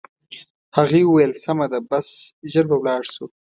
هغې وویل: سمه ده، بس ژر به ولاړ شو.